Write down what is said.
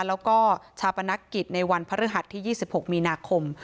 แล้วก็ชาปนกิจในวันพฤหัสที่๒๖มีนาคม